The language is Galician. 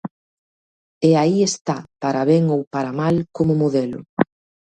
E aí está para ben ou para mal como modelo.